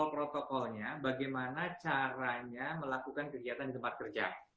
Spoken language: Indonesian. protokolnya bagaimana caranya melakukan kegiatan di tempat kerja